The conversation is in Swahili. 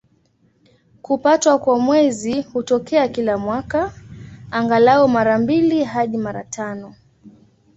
Kupatwa kwa Mwezi hutokea kila mwaka, angalau mara mbili hadi mara tano.